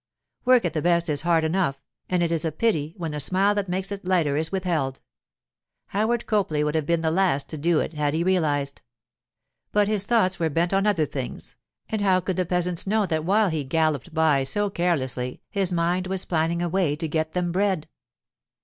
Work at the best is hard enough, and it is a pity when the smile that makes it lighter is withheld; Howard Copley would have been the last to do it had he realized. But his thoughts were bent on other things, and how could the peasants know that while he galloped by so carelessly his mind was planning a way to get them bread?